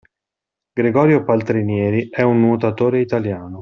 Gregorio Paltrinieri è un nuotatore italiano